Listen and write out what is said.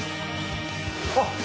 あっ！